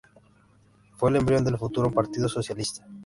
Fue el embrión del futuro Partido Socialista.